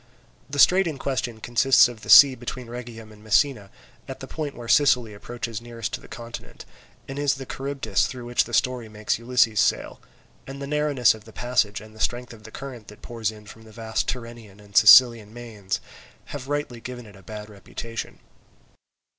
The strait in question consists of the sea between Rhegium and Messina, at the point where Sicily approaches nearest to the continent, and is the Charybdis through which the story makes Ulysses sail; and the narrowness of the passage and the strength of the current that pours in from the vast Tyrrhenian and Sicilian mains, have rightly given it a bad reputation.